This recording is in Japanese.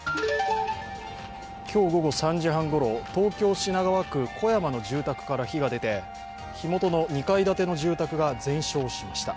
今日午後３時半ごろ、東京・品川区小山の住宅から火が出て火元の２階建ての住宅が全焼しました。